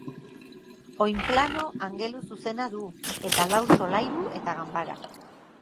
Oinplano angeluzuzena du, eta lau solairu eta ganbara.